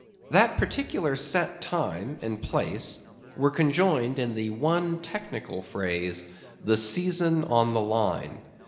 That particular set time and place were conjoined in the one technical phrase—the Season on the Line.